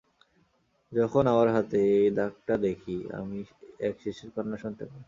যখন আমার হাতে আমি এই দাগ-টা দেখি, আমি এক শিশুর কান্না শুনতে পাই।